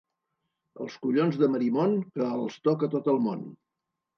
Els collons de Marimon, que els toca tot el món.